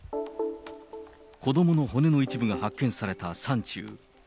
子どもの骨の一部が発見された山中。